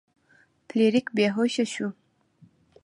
فلیریک بې هوښه شو.